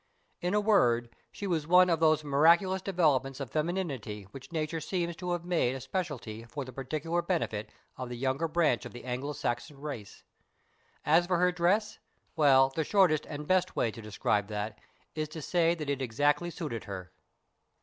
In a word, she was one of those miraculous developments of femininity which Nature seems to have made a speciality for the particular benefit of the younger branch of the Anglo Saxon race. As for her dress well, the shortest and best way to describe that is to say that it exactly suited her.